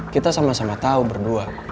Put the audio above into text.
kita sama sama tahu berdua